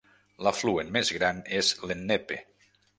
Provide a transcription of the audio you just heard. L'afluent més gran és l'Ennepe.